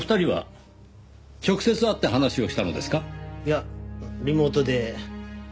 いやリモートで。